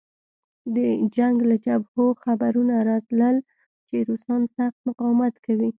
د جنګ له جبهو خبرونه راتلل چې روسان سخت مقاومت کوي